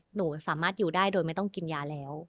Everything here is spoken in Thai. หนูสามารถอยู่ได้โดยไม่ต้องกินยาแล้ว